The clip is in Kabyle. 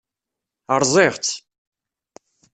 Rẓiɣ-tt.